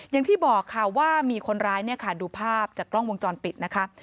อย่างที่บอกค่ะว่ามีคนร้ายเนี่ยค่ะดูภาพจากกล้องวงจรปิดนะคะ